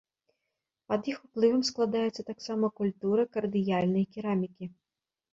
Пад іх уплывам складаецца таксама культура кардыяльнай керамікі.